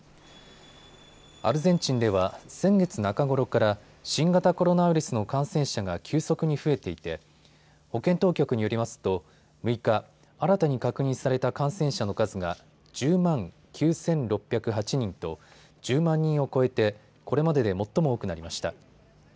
アルゼンチンでは先月中ごろから新型コロナウイルスの感染者が急速に増えていて保健当局によりますと６日、新たに確認された感染者の数が１０万９６０８人と１０万人を超えてこれまでで最も多くなりました。